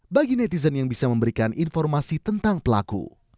bagi netizen yang bisa memberikan informasi tentang pelaku